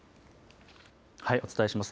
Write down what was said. お伝えします。